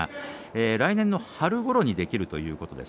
来年の春ごろにできるということです。